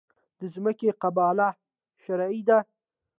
د ځمکې قباله شرعي ده؟